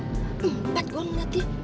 empat gua ngeliat dia